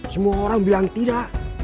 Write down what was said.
semua orang bilang tidak